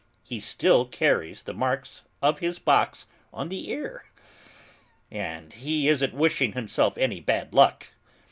He still carries the marks of his box on the ear, and he isn't wishing himself any bad luck!